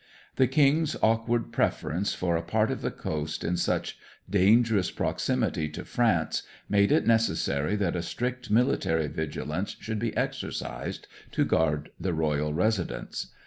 The King's awkward preference for a part of the coast in such dangerous proximity to France made it necessary that a strict military vigilance should be exercised to guard the royal residents.